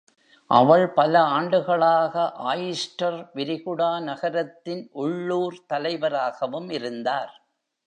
அவள் பல ஆண்டுகளாக ஆயிஸ்டர் விரிகுடா நகரத்தின் உள்ளூர் தலைவராகவும் இருந்தார்.